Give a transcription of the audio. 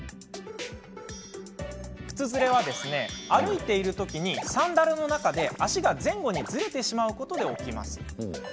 靴ずれは、歩いているときサンダルの中で足が前後にずれてしまうことで起きます。